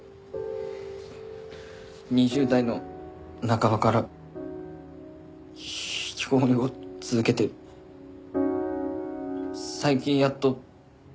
２０代の半ばから引きこもりを続けて最近やっと。